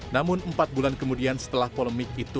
namun empat bulan kemudian setelah polemik itu